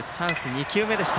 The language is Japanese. ２球目でした。